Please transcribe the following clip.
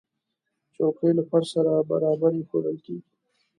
چوکۍ له فرش سره برابرې ایښودل کېږي.